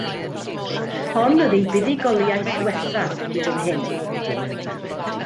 Hon oedd eu buddugoliaeth ddiwethaf hyd yn hyn.